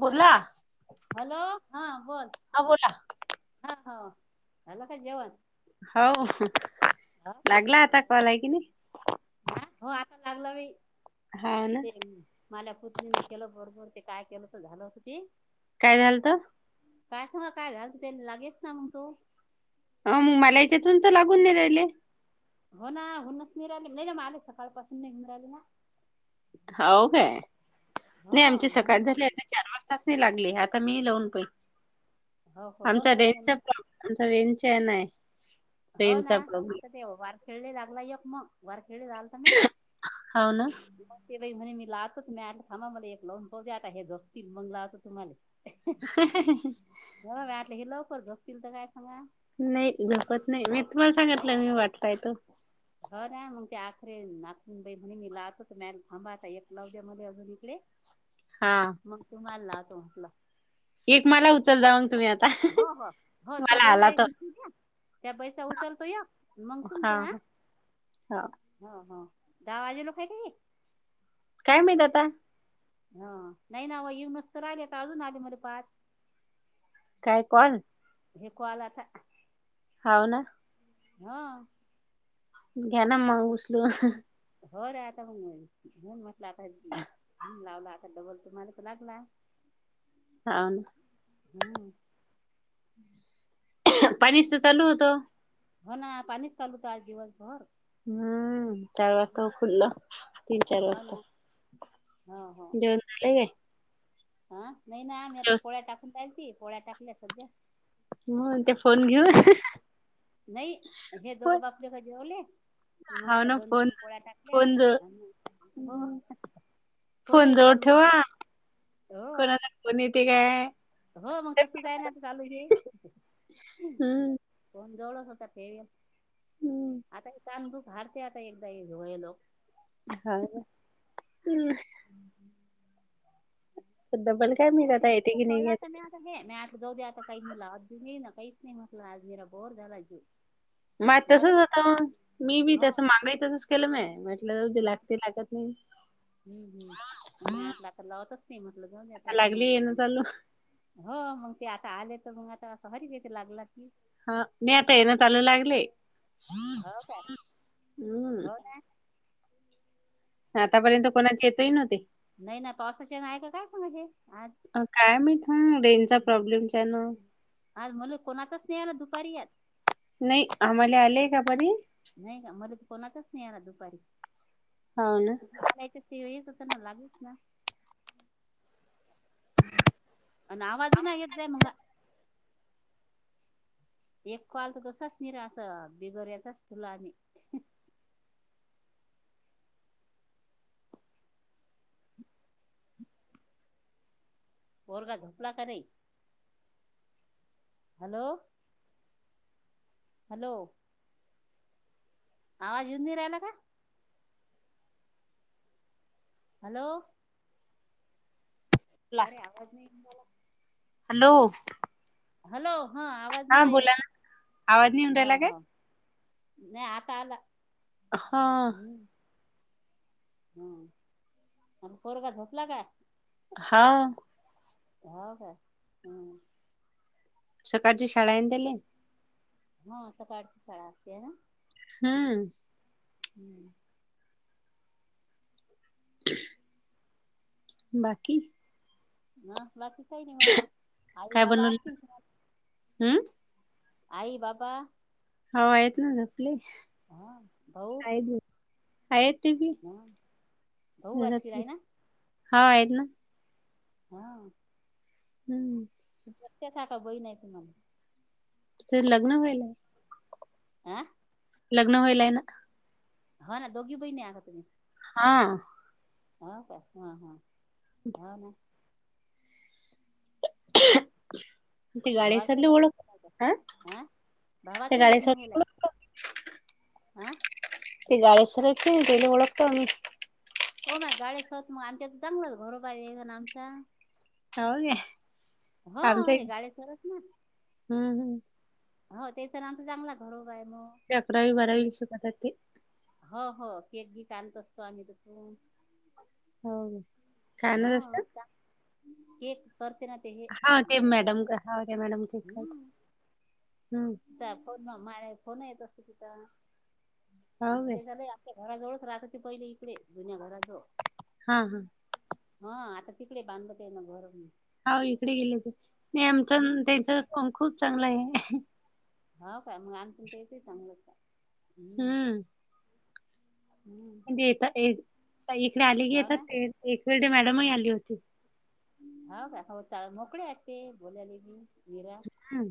बोला. हॅलो हा बोल बोला. हा हो हला का जेवण? हा हो. हाव का लागला आता कॉल आहे की नाही हा हो आता लागला बाई. हाव ना ते माल्या पुत्नीन केलं बरोबर ते काय केलं तर झालं होत ते. काय झालत? काय सांगा काय झाल ते लागेच ना मंग तो. आम माला याच्यातून तर लागून नाही राहिले. हो ना होनच नाही राहिले नाही ना मग आले सकाळपसून नाही राहिले ना. हो काय हो नाही आमचे सकाळ म्हणून मग झाली चार वाजता लागली आता मी लावून पहिलं हो हो लावून आमचा पाहिजे ना रेंजचा प्रॉब्लेम आमचा रेनचॅ नाय. हो ना आता ते वार खेळले लागला ऐक मग. वरखेळे आलंता झालता म्ये. हाव ना ते बाई म्हणे मी लावतोच मी आट थांबा मला एक लावून पाह दे आता हे जपतील मग लावतो तुम्हाले. [unintelligible] ब वाटले हे लवकर झोपतील तर काय सांगा? नाही झोपत नाही मी तुम्हाला सांगितलं मी वाटतय तो. ह ना मग ते आखरे नाखरन बाई म्हणे मी लावतो मॅम थांबाता एक लवज्या मले अजून इकडे. हा. मग तुम्हाला लाहवतो म्हटलं. एक मला उचल जा मग तुम्ही आता. हो-हो-हो त्या मला बाई जा आला एक तर उचलू द्या. त्या बाईस उचलतो या मग तुमच हा. हाव. हो-हो दहा वाजेलो हा का हे? काय माहित आता. हा नाही नाव येऊनच तर राहिले अजून आले मले पाच. काय कोण? हे कॉल आता. हाव ना. हा. घ्यानां मंग उसलून. हो रे आता मंग म्हणून म्हटला आता म्हणून लावला आता डबल मला तर लागला. हाव ना, हम्म पाणीस तर चालू होतं. हो ना पाणीच चालू होतं आज दिवसभर. हू... चार वाजता हम्म, खुल्लं तीन-चार वाजता, हा. हां. जेवण झालंय काय? हा नाही ना, आम्ही आता पोळ्या टाकून राईलती पोळ्या टाकल्या सध्या, मग ते फोन हे घेऊन, नाही हे फोन दोघं बाप-लेक जेवले. मग हा आता ना फोन दोन-तीन पोळ्या टाकल्या फोन जवळ आणि हो हम्म. हो फोन नाही जवळ चालू ठेवा, हो कोणाचा फोन येते काय, हो मग तसंच आहे ना आता चालू ये. हम्म फोन जवळच होता ठेवेल, हम्म आता हे तहानभूक हारते आता एकदाय यलोयलो. हां ना डबल काय मी शेवटी आता येत तिथं की, नाही सोडला येत. आता मी आता आठ जाऊ आता काही नला अज नाही ना काहीच नाही म्हटलं, आज मेरा बोर झाला जीव, माझं तसंच लागत होता मी बी हो तस मागाई तसच केलं मी, म्हटलंदी लागते लागत नाही. हूं.. हूं.. मी म्हटलं आता तर लावतच नाही म्हटलं जाऊ आता द्याता लागली मोठी येणं भाई चालू हो मग ते आता आले तर, मग आता असं हरी वेत लागला की., हा नाही आता येन चालू लागले, हो काय हूं..... हो ना ते आतापर्यंत पा- कोणाचे येतही नव्हते. नाही ना पावसाचे ऐन का काय सांगाजे आ अ काय मीठ रेनचा प्रॉब्लेमच्यानं, आज मले कोणाचाच नाही आला दुपारी यात. नाही आम्हांले आलेय का परी, नाही का मला तर कोणाचाच नाही आला दुपारी हाव ना. [unintelligible] तेच होतना लागेच ना, अन् आवाज नाय येद्य बाय मंगा. एक कॉल तर तसाच निरा अस, बिगर यचाच तुला आणी पोरगा झोपला का नाही? हॅलो. हॅलो. आवाज येऊन राहिला का? हॅलो. अरे आवाज नाही येवून राहिला. हॅलो. हॅलो, हा आवाज हा नव्हता येत, बोला ना आवाज नाही येऊन हा. राहिला काय? ह नाही आता आला. हा.... हा.. आणि पोरगा झोपला काय? हां... हो काय हं.... सकाळची शाळा हाय ना त्याले. हो सकाळची शाळा असतेय ना, हम्म. हम्म. बाकी? ह बाकी काही नाही म आई बाबा असतील अम्म? आई बाबा हो आहेत ना, झोपले. हा भाऊ? आहेत ते बी ह भाऊ बागशीर आहे [unintelligible] ना हा आहेत ना. हा. हम्म. [unintelligible] बहीन नाही तुम्हाला? ती लग्न व्हायल. आं? लग्न व्हायला ना. हा ना दोघी बहीणी आन तुम्ही? हा. हा का? हा हा, हा ना. हम्म. ते गाडे भावाचे सरले लग्न ओळख हा [unintelligible] आं ते भावाचे ही गाडे लग्न सर व्हायला? आ? ते गाडेसर आहेत ते तेला ओळखतो आम्ही. हो मग गाळेसर आमच्यात चांगलंच [unintelligible] आहे ना आमचा. हो काय हा आमचं हे गाडे सर हायत ना. हम्म हम. हो ते सर आमचा चांगला घरोबा आहे म. ते अकरावी बारावीला शिकवतात ते. हो हो, केक बीक आणत असतो आम्ही तिथून. होय काय आणतं ह असत्यात? केक करते ना ते हे हा ते जरा मॅडम ग हा ते मॅडम ठीक हायत. हम्म. [unintelligible] मग माया फोन येत असतो तिचा हो आमची [unintelligible] काय ते घराजवळच राहत होते पहिले इकडे जुन्या घराजवळ. हा हा. हा आता तिकडे बांधत आहे ना घर हो इकडे गेले ते नाही आमचं हम्म न त्यांचं पण खूप चांगला आहे. हो का? मग आमचं न त्यांचं ही चांगलंच आहे. हम्म. हम्म. ते येता ते ताई इकडे आली की हो येतात ना ते एक वेळ ते मॅडमही आली होती. हो काय? हो मोकळे आहेत ते बोलायले बी. मीरा हम्म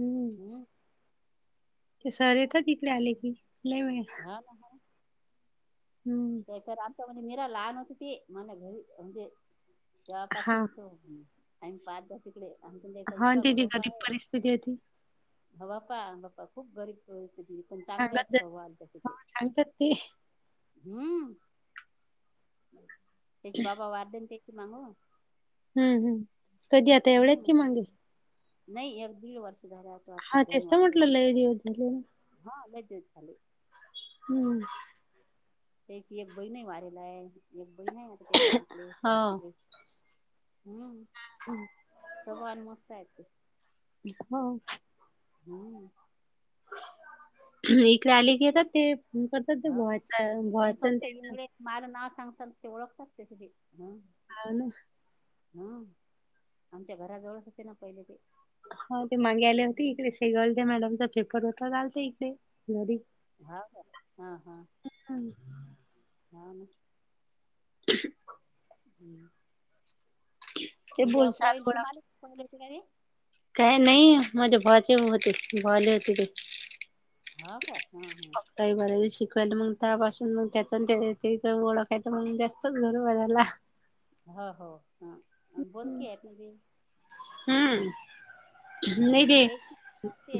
हम्म. ते सर येतात इकडे आले की लय वेळेला. [unintelligible] हम्म. ते सर आमचा म्हणजे मीरा लहान होती ती. मने घरी म्हणजे हा तेव्हापासून तो आम्ही पाहतो. तिकडे आमचा न त्यांचा हा आणि इतका त्याची घरोबा गरीब आहे. परिस्थिती होती हो बापा बप्पा खूप गरीब परिस्थिती. पण चांगल्या आहेत स्वभावाला तशे ते. आणतात ती. हम्म, त्यांचे बाबा वारले न तेचे माग. हम्म हम्म. कधी आता एवढ्याच हम्म की मागे? नाही एक दीड वर्ष झाले, आता वाटतं हा दोन तेच तर वर्ष म्हटलं झाले. लय दिवस झाले हा लई दिवस झाले. हम्म. त्यांची एक बहीणय वारेल हाय. एक बहीण हाये आता त्यालेई इकडे. हो [unintelligible] हम्म. [inaudible] स्वभावानं मस्तयेत ते. हो. हम्म. इकडे आले की येतात ते. फोन करतात ते. हो ना भोवाचं तुम्ही भोवाचं न फक्त तेंच इंगळे माझं नाव सांगसाल ते ओळखतात ते सगळे. हम्म. हा ना? ह. आमच्या घराजवळच होते ना पहिले ते. हा ते मागे आले होते. इकडे शेगावलत्या मॅडमचा पेपर होता आमच्या इकडे. घरी. हाव काय? ह, ह. हम्म. हाव ना. [inaudible] हम्म. ते म्हणजे बोल चाल अकरावी बोला तुम्हालेच पहिले येते का ते? काय नाही. माझ्या भावाचे होते. भावाले होते ते. हाव काय? हा. ह. ताई बारावी शिकवायला. मग त्यापासून मग त्याच न त्याच ओळख आहे त मग जास्तच घरोबा झाला. हो हो. ह. बोल की आहेत न ती. हम्म. नाही ते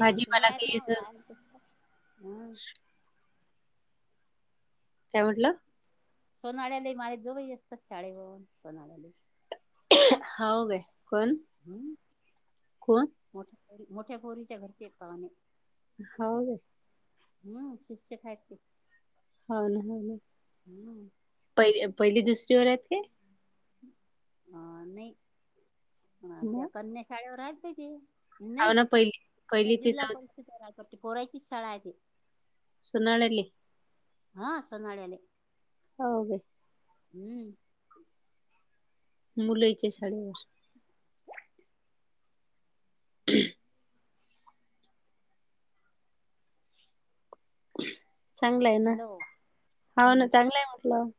भाजीपाला काही असं काय म्हंटल? [unintelligible] हाव काय? कोण? हम्म, कोण मोठ्या पोरी. मोठ्या पोरीच्या घरचेत पाहुणे. हाव का? हम्म, शिक्षक हायेत ते. हाव ना, हाव ना. हम्म. पहिली, पहिली दुसरी वर आहेत ते. अ नाही. अ त्या मग कन्या शाळेवर आहेत ना ते. हाव नाही ना पहिली त्या पहिली ते जिल्हा चौथी परिषद वर काम करते. पोरायची शाळाय ते. सोनाळ्याडले. [unintelligible] हा सोनाळ्याले. [unintelligible] हम्म मुलाच्या शाळेवर [inaudible] चांगलं आहे ना. हॅलो हो ना हम्म चांगलं आहे म्हटलं.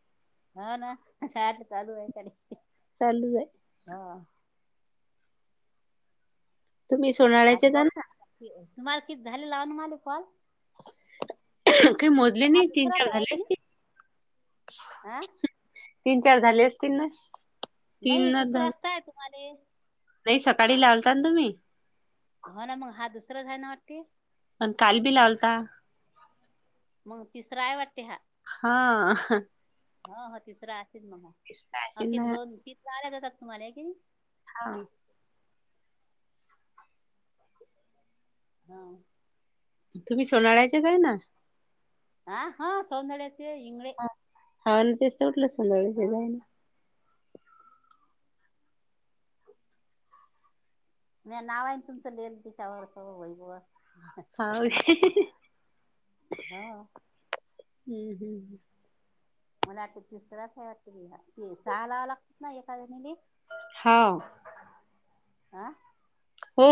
हा ना. अस चालू [unintelligible] चालूच ये हा. तुम्हीश आता बघ, तुम्हाला [unintelligible] काही मोजले हा नाई. तीन दुसराच चार आहे झाले की नाही असतील. हा तीन चार झाले असतील ना? नाही तीनच दुसरा झाले [unintelligible] तुम्हाले नाही सकाळी लावता ना तुम्ही हो ना मग. हा दुसराच आहे ना वाटते. पण काल बी लावता. मग तिसरा आहे वाटते हा. हा हा हा तिसरा असेल मग हा. तेच तर असेल अखिन ना दोन किती [unintelligible] तुम्हाला कि हा हा तुम्ही सोनाळ्याचे नाही ना? हो सोनाळ्याचे इंगळे. हव न तेच तर म्हटलं सोनाळ्याचे हा [unintelligible] नाही नाव आहे तुमचं लिहिल तिच्यावर वही वर हा हा. हम्म हम् मला आता तिसराच आहे वाटते. सहाच लावा लागते ना एका [unintelligible] हा. आं? हो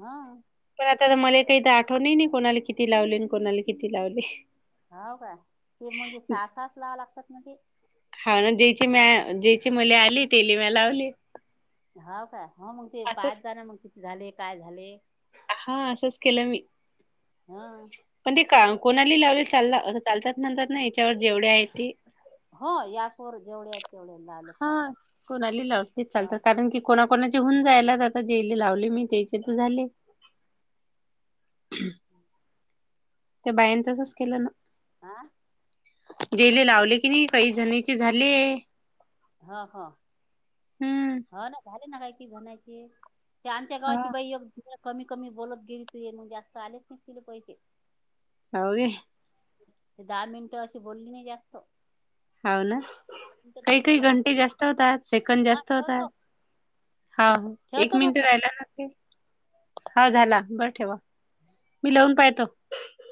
हा पण आता मला काही तर आठवणहि नाही कोणाला किती लावले आणि कोणाला किती लावले. होव का? ते म्हटले सहा सात लावं लागतात म्हणे हा ना ज्याची मी ज्याची मला आले त्याली मी लावले. हाव का? हो मग ते असंच पाच झाले मग किती झाले काय झाले? हा असंच केलं मी. हा पण ते का कोणाली लावलेल चालला असं चालतात म्हणतात ना याच्यावर जेवढे आहे ते? हो या अँपवर जेवढ्या तेेवढ्या लाव हा कोणाली लावली चालतं कारण की कोणा कोणाचे हून जायला जातात. एक लावले मी तर एकचीचे झाले. त्या बायांच तसच केलं ना? आ? जेली लावले की नाही, काही जणचे झाले. हां हां. हं. हो ना झाले ना, काय की झणायची. ते आमच्या गावाची हा बाई एक तु कमी कमी बोलत गेली तू, म्हणजे असत आलेच नाहीस तिले पैसे. जाऊ दे. ते दहा मिनिटं अशी बोलली नाही जास्त. होव ना. मिनिटं काही तरी काही बोला लागत घंटे जास्त होतात सेकंद हा जास्त होतात. ठेवतो हां, एक ठेवतो मिनिट म्हटलं राहिला न हा झाला. बरं ठेवा, मी लावून पाहतो.